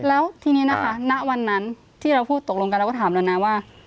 แล้วทีนี้นะคะณวันนั้นที่เราพูดตกลงกันเราก็ถามเรานะว่า